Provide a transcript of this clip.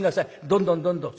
どんどんどんどん。